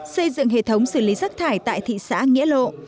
xây dựng hệ thống xử lý rác thải tại thị xã nghĩa lộ